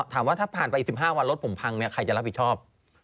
ถามว่าถ้าผ่านไปอีก๑๕วันรถผมพังใครจะรับผิดชอบ